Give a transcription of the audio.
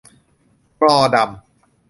มรอดัม